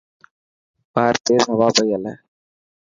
ٻاهر تيز هوا پئي هلي.